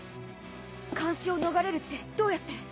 監視を逃れるってどうやって？